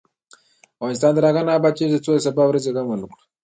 افغانستان تر هغو نه ابادیږي، ترڅو د سبا ورځې غم ونکړو.